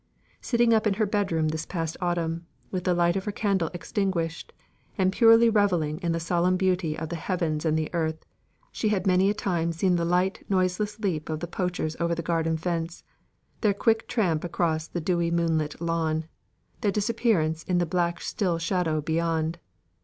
Sitting up in her bedroom this past autumn, with the light of her candle extinguished, and purely revelling in the solemn beauty of the heavens and the earth, she had many a time seen the light noiseless leap of the poachers over the garden fence, their quick tramp across the dewy moonlit lawn, their disappearance in the black still shadow beyond.